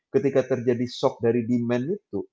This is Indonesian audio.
ketika terjadi shock dari demand itu